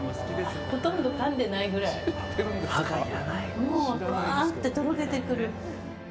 もう、ふわーんってとろけてくる。